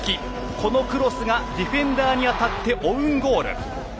このクロスがディフェンダーに当たってオウンゴール。